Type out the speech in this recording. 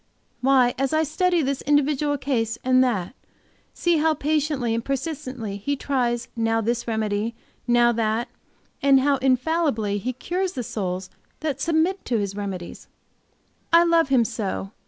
Why, as I study this individual case and that, see how patiently and persistently He tries now this remedy, now that, and how infallibly He cures the souls that submit to His remedies, I love Him so!